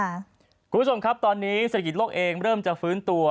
คุณผู้ชมครับตอนนี้เศรษฐกิจโลกเองเริ่มจะฟื้นตัว